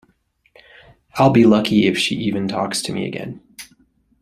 I'll be lucky if she even talks to me again.